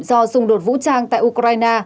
do xung đột vũ trang tại ukraine